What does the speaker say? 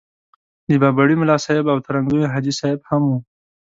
د بابړي ملاصاحب او ترنګزیو حاجي صاحب هم وو.